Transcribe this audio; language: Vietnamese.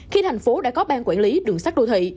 khi tp hcm đã có bang quản lý đường sát đô thị